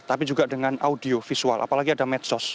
tapi juga dengan audio visual apalagi ada medsos